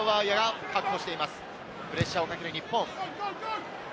プレッシャーをかける日本。